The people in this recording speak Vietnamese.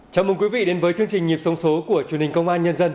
chào mừng quý vị đến với chương trình nhịp sống số của truyền hình công an nhân dân